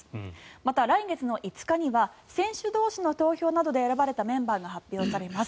また、来月の５日には選手同士の投票などで選ばれたメンバーが発表されます。